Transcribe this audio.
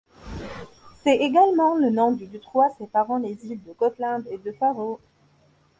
C'est également le nom du détroit séparant les îles de Gotland et de Fårö.